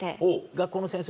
学校の先生